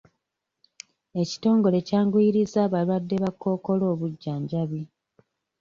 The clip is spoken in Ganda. Ekitongole kyanguyirizza abalwadde ba kkookolo obujjanjabi.